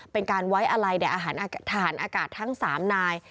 เป็นการไว้อะไรแด่อาหารอากาศทั้ง๓นาย